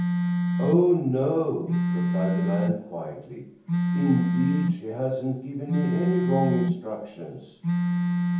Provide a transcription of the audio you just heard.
"Oh, no," replied the man quietly, "indeed she hasn't given me any wrong instructions!"